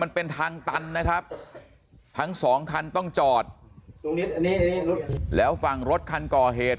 มันเป็นทางตันนะครับทั้งสองคันต้องจอดแล้วฝั่งรถคันก่อเหตุ